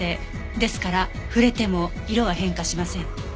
ですから触れても色は変化しません。